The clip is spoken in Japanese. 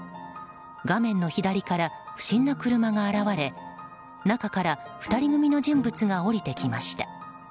画面の左から不審な車が現れ中から２人組の人物が降りてきました。